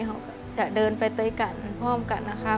เขาก็จะเดินไปเตยกันพร้อมกันนะคะ